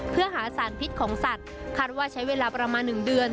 เพื่อหาสารพิษของสัตว์คาดว่าใช้เวลาประมาณ๑เดือน